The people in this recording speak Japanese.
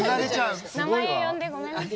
名前呼んでごめんなさい。